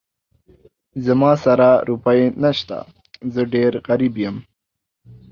زما سره روپۍ نه شته، زه ډېر غريب يم.